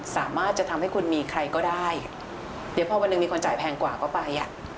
สามารถจะทำให้คุณมีใครก็ได้เดี๋ยวพอวันหนึ่งมีคนจ่ายแพงกว่าก็ไปอ่ะ